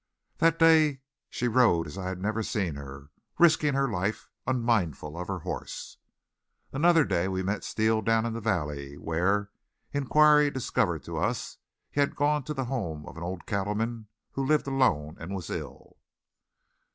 That day she rode as I had never seen her, risking her life, unmindful of her horse. Another day we met Steele down in the valley, where, inquiry discovered to us, he had gone to the home of an old cattleman who lived alone and was ill.